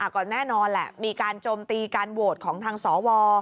ก็แน่นอนแหละมีการโจมตีการโหวตของทางสว